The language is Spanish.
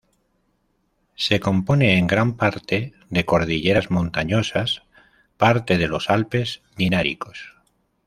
Se compone en gran parte de cordilleras montañosas, parte de los Alpes Dináricos.